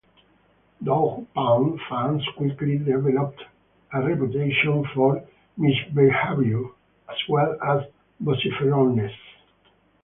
Dawg Pound fans quickly developed a reputation for misbehavior as well as vociferousness.